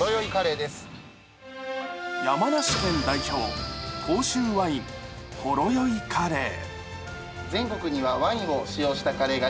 山梨県代表、甲州ワインほろ酔いカレー。